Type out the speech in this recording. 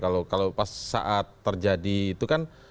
kalau pas saat terjadi itu kan